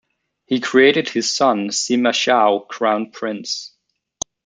He created his son Sima Shao crown prince.